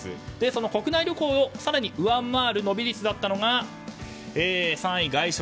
その国内旅行を更に上回る伸び率だったのが３位、外食